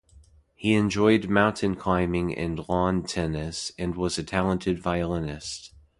He enjoyed mountain climbing and lawn tennis, and was a talented violinist.